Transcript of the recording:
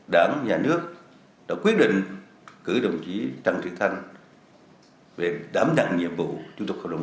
đảng nhà nước đã quyết định cử đồng chí trần sĩ thanh về đám đặng nhiệm vụ chủ tịch hợp đồng